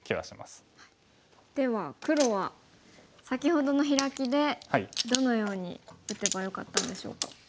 では黒は先ほどのヒラキでどのように打てばよかったんでしょうか。